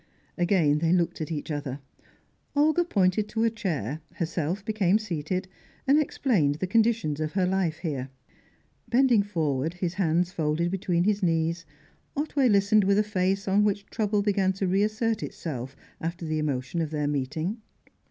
Again they looked at each other; Olga pointed to a chair, herself became seated, and explained the conditions of her life here. Bending forward, his hands folded between his knees, Otway listened with a face on which trouble began to reassert itself after the emotion of their meeting.